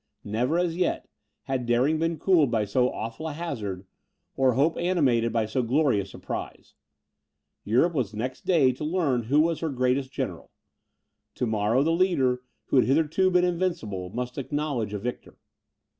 Never, as yet, had daring been cooled by so awful a hazard, or hope animated by so glorious a prize. Europe was next day to learn who was her greatest general: to morrow, the leader, who had hitherto been invincible, must acknowledge a victor.